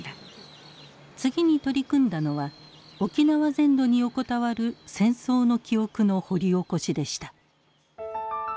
次に取り組んだのは沖縄全土に横たわる戦争の記憶の掘り起こしでした。